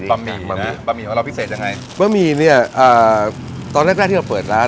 บะหมี่บะหมี่ของเราพิเศษยังไงบะหมี่เนี้ยอ่าตอนแรกแรกที่เราเปิดร้าน